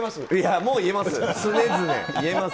もう言えます。